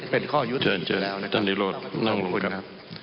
เป็นข้อยุตรีไปแล้วนะครับ